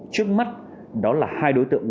trước mắt đó là hai đối tượng